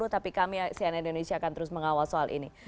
tapi kami cnn indonesia akan terus mengawal soal ini